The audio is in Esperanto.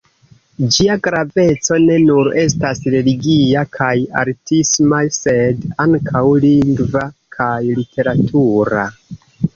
Ĝia graveco ne nur estas religia kaj artisma, sed ankaŭ lingva kaj literatura.